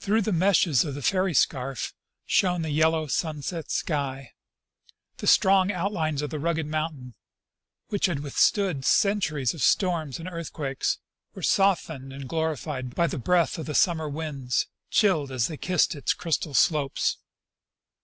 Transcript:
Through the meshes of the fairy scarf shone the yellow sunset sky. The strong outlines of the rugged mountain, which had withstood centuries of storms and earthquakes, were softened and glorified by the breath of the summer winds, chilled as they kissed its crystal slopes.